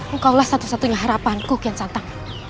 engkaulah satu satunya harapanku kian santang